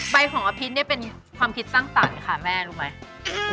ใบของอภิษฐ์เนี่ยเป็นความคิดตั้งตัดค่ะแม่รู้ไหม